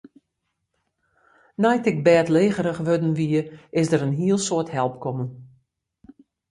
Nei't ik bêdlegerich wurden wie, is der in hiel soad help kommen.